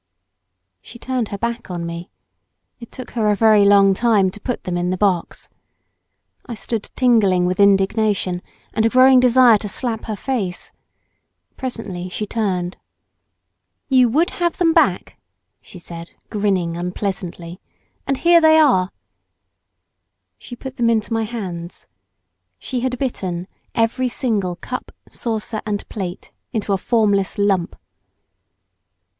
She turned her back on me. It took her a very long time to put them in the box. I stood tingling with indignation, and a growing desire to slap her face. Presently she turned. "You would have them back," she said, grinning unpleasantly, "and here they are." She put them into my hands. She had bitten every single cup, saucer, and plate into a formless lump!